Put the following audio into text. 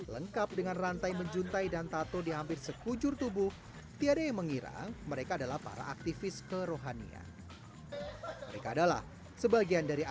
soalnya identik punk idealis ya